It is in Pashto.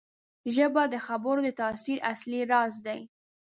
ژبه د خبرو د تاثیر اصلي راز دی